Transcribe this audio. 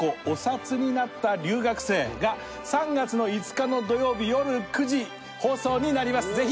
お札になった留学生』が３月の５日の土曜日よる９時放送になります。